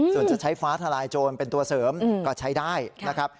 ส่วนจะใช้ฟ้าทลายโจรเป็นตัวเสริมก็ใช้ได้นะครับ